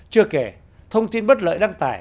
chưa kể thông tin bất lợi đăng tải